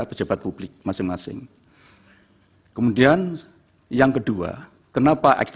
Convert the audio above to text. pejabat publik masing masing kemudian yang kedua kenapa ekstra